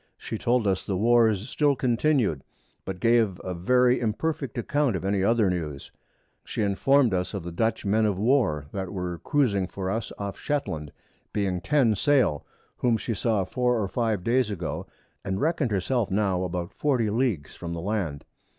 She told us the Wars still continued, but gave a very imperfect Account of any other News: She informed us of the Dutch Men of War, that were cruizing for us off Shetland (being 10 Sail) whom she saw 4 or 5 Days ago, and reckon'd her self now about 40 Leagues from the Land.